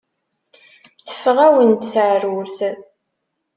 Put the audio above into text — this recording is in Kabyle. Teffeɣ-awen-d teεrurt.